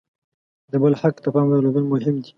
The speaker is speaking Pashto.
د بل حق ته پام درلودل مهم دي.